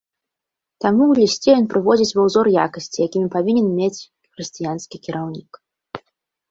Таму ў лісце ён прыводзіць ва узор якасці, якімі павінен мець хрысціянскі кіраўнік.